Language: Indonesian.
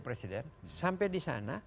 presiden sampai disana